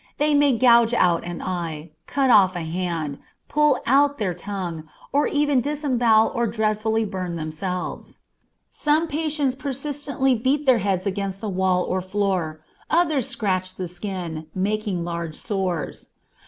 They may gouge out an eye, cut off a hand, pull out their tongue, or even disembowel or dreadfully burn themselves. Some patients persistently beat their heads against the wall or floor, others scratch the skin, making large sores.